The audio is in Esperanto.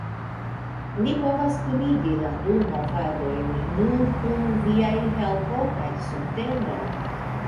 Ni povas kunigi la du movadojn nur kun viaj helpo kaj subteno.